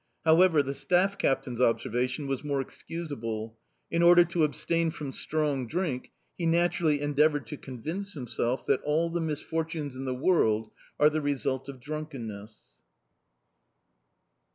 However, the staff captain's observation was more excusable; in order to abstain from strong drink, he naturally endeavoured to convince himself that all the misfortunes in the world are the result of drunkenness.